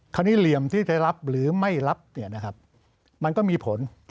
เหลี่ยมที่จะรับหรือไม่รับมันก็มีผล